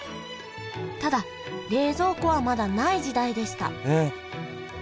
ただ冷蔵庫はまだない時代でしたええ。